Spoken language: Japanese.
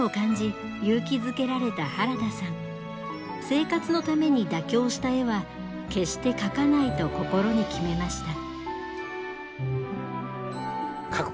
生活のために妥協した絵は決して描かないと心に決めました。